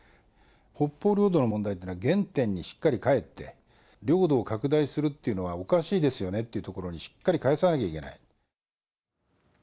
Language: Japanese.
北方領土の問題ってのは原点にしっかり帰って、領土を拡大するっていうのはおかしいですよねっていうところに、しっかり帰さなきゃいけない。